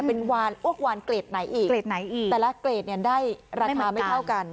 เป็นอ้วกวานเกรดไหนอีกแต่ละเกรดได้ราคาไม่เท่ากัน